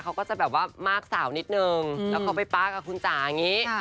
เขาก็จะแบบว่ามากสาวนิดนึงแล้วเขาไปป๊ากับคุณจ๋าอย่างนี้